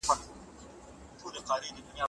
هغه په مځکي کي ستړی سو.